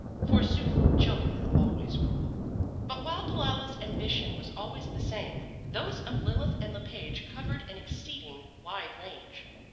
"Forsooth, children are always cruel. "But while Delilah's ambition was always the same, those of Lilith and Le Page covered an exceeding wide range.